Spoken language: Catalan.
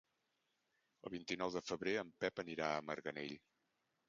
El vint-i-nou de febrer en Pep anirà a Marganell.